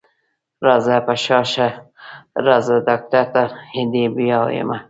راځه په شا شه راځه ډاکټر ته دې بيايمه.